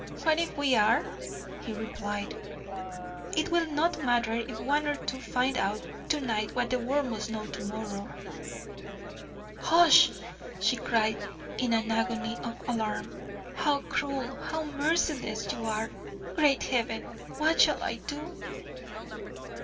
"What if we are?" he replied; "it will not matter if one or two find out to night what the world must know to morrow." "Hush!" she cried, in an agony of alarm. "How cruel, how merciless you are! Great Heaven, what shall I do?"